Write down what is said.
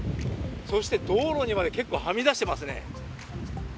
そして道路にまで結構はみ出していますね。